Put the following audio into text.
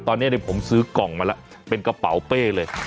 ตอนนี้ผมซื้อกล่องมาแล้วเป็นกระเป๋าเป้เลย